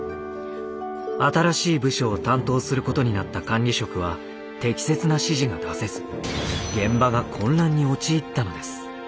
新しい部署を担当することになった管理職は適切な指示が出せず現場が混乱に陥ったのです。